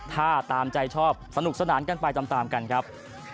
ถ้าตามใจชอบสนุกสนานกันไปตามกันครับ